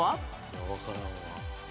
いやわからんわ。